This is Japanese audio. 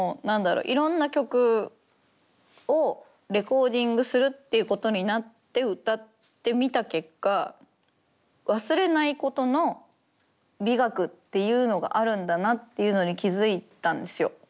いろんな曲をレコーディングするっていうことになって歌ってみた結果忘れないことの美学っていうのがあるんだなっていうのに気付いたんですよ。